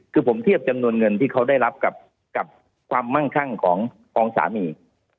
คือผมเทียบจำนวนเงินที่เขาได้รับกับความมั่งคั่งของสามี